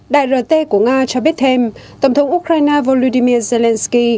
đại rt của nga cho biết thêm tổng thống ukraine volodymyr zelensky